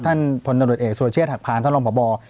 ท่านพลตำรวจเอกสุรเชษฐหักพานท่านรองพบ